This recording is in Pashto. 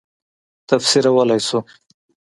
تفسیرولای شو.